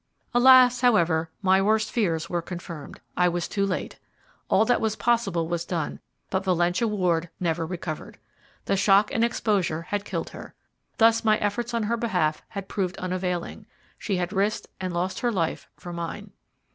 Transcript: Alas! however, my worst fears were confirmed. I was too late. All that was possible was done, but Valentia Ward never recovered. The shock and exposure had killed her. Thus my efforts on her behalf had proved unavailing. She had risked and lost her life for mine.